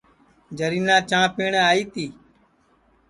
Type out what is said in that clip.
جرینا چانٚھ پِیٹؔیں آئی تی